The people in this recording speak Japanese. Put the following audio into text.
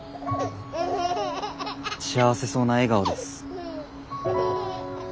幸せそうな笑顔です。